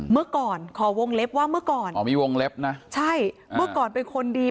เมื่อก่อนขอวงเล็บว่าเมื่อก่อนอ๋อมีวงเล็บนะใช่เมื่อก่อนเป็นคนดี